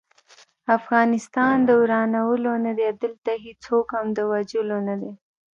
افغانستان د ورانولو نه دی، دلته هيڅوک هم د وژلو نه دی